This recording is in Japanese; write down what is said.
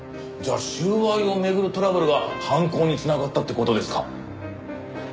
じゃあ収賄を巡るトラブルが犯行に繋がったって事ですか？